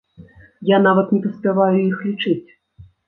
Я нават не паспяваю іх лічыць.